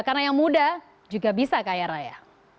karena yang muda juga bisa kaya raya